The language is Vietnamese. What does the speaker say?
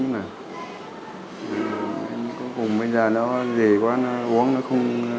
cuối cùng bây giờ nó dễ quá nó uống nó không phục hồi